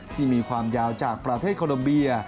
ที่มีความยาวจากประเทศโคลมเบีย